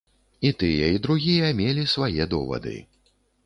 І тыя і другія мелі свае довады.